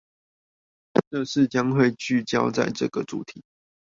這次將會聚焦在這個主題